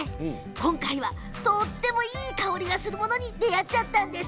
今回は、とてもいい香りがするものに出会っちゃったんです。